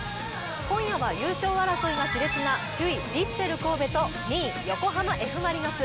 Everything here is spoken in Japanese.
今夜は優勝争いがしれつな首位・ヴィッセル神戸と２位・横浜Ｆ・マリノス。